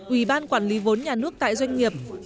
ủy ban quản lý vốn nhà nước tại doanh nghiệp